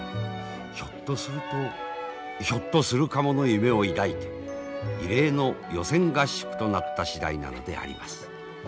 ひょっとするとひょっとするかもの夢を抱いて異例の予選合宿となった次第なのであります。